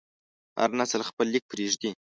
هر نسل خپل لیک پرېږدي.